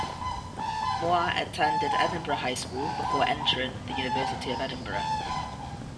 Moir attended Edinburgh High School before entering the University of Edinburgh.